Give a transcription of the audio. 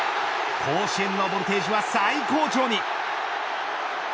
甲子園のボルテージは最高潮に。